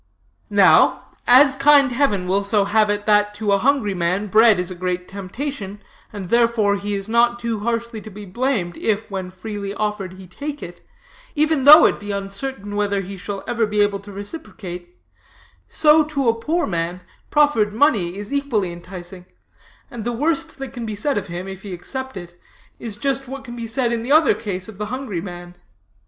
"Now, as kind heaven will so have it that to a hungry man bread is a great temptation, and, therefore, he is not too harshly to be blamed, if, when freely offered, he take it, even though it be uncertain whether he shall ever be able to reciprocate; so, to a poor man, proffered money is equally enticing, and the worst that can be said of him, if he accept it, is just what can be said in the other case of the hungry man.